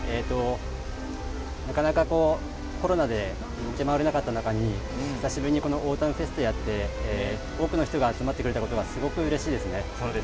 なかなかコロナでできなかった中に久しぶりにオータムフェストをやって多くの人が集まってくれてすごくうれしいですね。